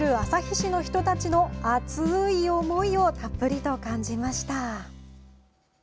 市の人たちの熱い思いをたっぷりと感じました。